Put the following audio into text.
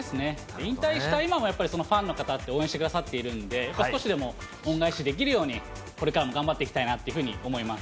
引退した今もやっぱりそのファンの方って応援してくださっているので、少しでも恩返しできるように、これからも頑張っていきたいなというふうに思います。